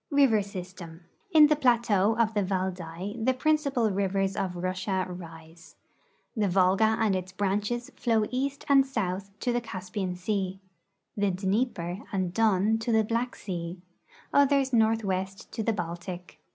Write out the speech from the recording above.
EIVER SYSTEM. In the plateau of the Valdai the principal rivers of Russia rise. The Volga and its branches flow east and south to the Caspian sea ; the Dnieper and Don to the Black sea ; others northwest to the Baltic.